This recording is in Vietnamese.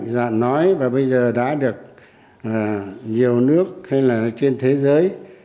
giọng nói và bây giờ đã được nhiều nước hay là trên thế giới